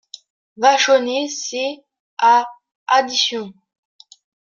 Vachonnet Ses a … additions !